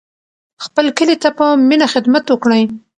خپل کلي ته په مینه خدمت وکړئ.